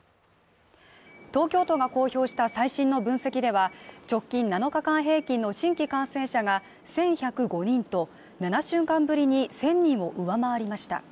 東京都が公表した最新の分析では直近７日間平均の新規感染者が１１０５人と７週間ぶりに１０００人を上回りました。